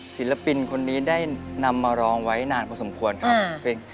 ศิลปินคนนี้ได้นำมาร้องไว้นานพอสมควรครับ